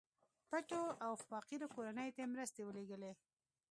پټو او فقيرو کورنيو ته يې مرستې ورلېږلې.